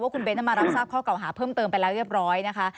คุณเบ้นมารับทราบข้อเก่าหาเพิ่มเติมไปแล้วเรียบร้อยนะคะ